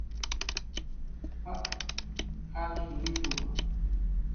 "P""ak"" jarshunushuwa "